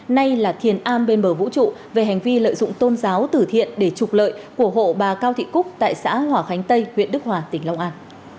nay là thiền a bên bờ vũ trụ về hành vi lợi dụng tôn giáo tử thiện để trục lợi của hộ bà cao thị cúc tại xã hòa khánh tây huyện đức hòa tỉnh long an